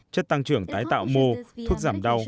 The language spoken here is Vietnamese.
chất tăng trưởng tái tạo mô thuốc giảm đau